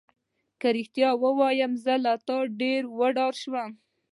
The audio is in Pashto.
که رښتیا ووایم زه له تا ډېره وډاره شوم.